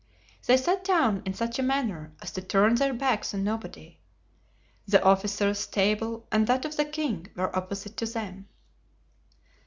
They sat down in such a manner as to turn their backs on nobody. The officers, table and that of the king were opposite to them.